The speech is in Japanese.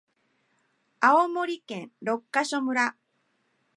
青森県六ヶ所村